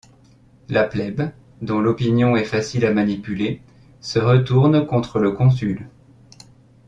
La plèbe, dont l'opinion est facile à manipuler, se retourne contre le consul.